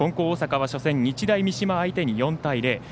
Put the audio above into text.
大阪は初戦、日大三島相手に４対０。